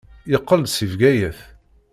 Yeqqel-d seg Bgayet.